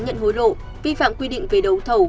nhận hối lộ vi phạm quy định về đấu thầu